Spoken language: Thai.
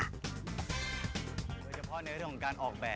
โดยเฉพาะเนิดของการออกแบบ